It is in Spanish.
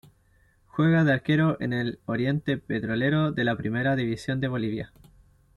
Juega de arquero en el Oriente Petrolero de la Primera División de Bolivia.